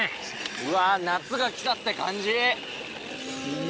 うわ夏が来たって感じ！